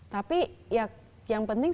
tapi yang penting